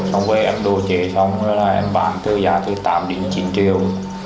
xong rồi em đồ chế xong rồi em bán từ giá từ tám chín triệu